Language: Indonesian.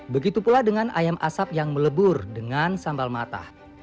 begitu pula dengan ayam asap yang melebur dengan sambal mata